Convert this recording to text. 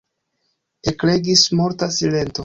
Ekregis morta silento.